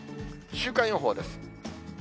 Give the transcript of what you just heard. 週間予報です。